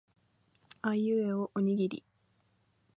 あいうえおおにぎり